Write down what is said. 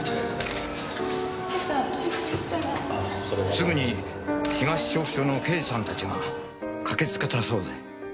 すぐに東調布署の刑事さんたちが駆けつけたそうで。